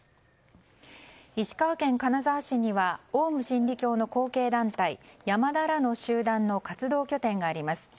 石川県金沢市にはオウム真理教の後継団体山田らの集団の活動拠点があります。